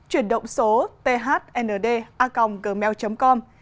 chuyển động số thndaconggmail com